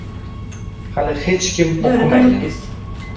Hali hech kim oʻqimagan.